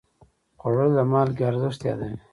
خوړل د مالګې ارزښت یادوي